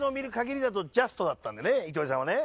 糸井さんはね。